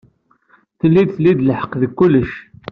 Tellid tlid lḥeqq deg kullec.